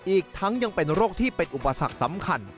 อีกทั้งยังเป็นโรคที่เป็นอุปสรรคสำคัญ